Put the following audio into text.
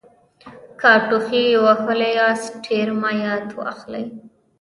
که ټوخي وهلي یاست ډېر مایعت واخلئ